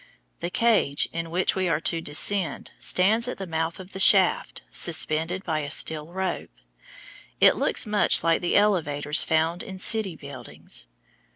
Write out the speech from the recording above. The cage in which we are to descend stands at the mouth of the shaft, suspended by a steel rope. It looks much like the elevators found in city buildings.